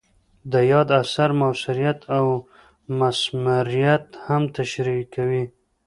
د یاد اثر مؤثریت او مثمریت هم تشریح کوي.